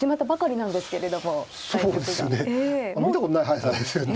見たことない速さですよね。